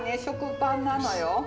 食パンなのよ。